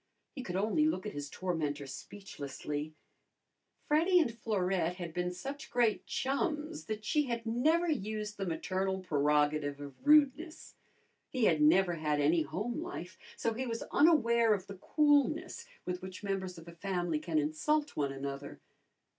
He could only look at his tormentor speechlessly. Freddy and Florette had been such great chums that she had never used the maternal prerogative of rudeness. He had never had any home life, so he was unaware of the coolness with which members of a family can insult one another.